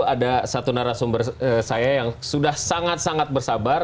ada satu narasumber saya yang sudah sangat sangat bersabar